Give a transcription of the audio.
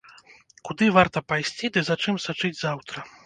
Куды варта пайсці ды за чым сачыць заўтра.